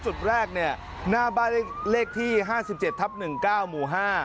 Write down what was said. จุดแรกเนี่ยหน้าบ้านเลขที่๕๗ทับ๑๙หมู่๕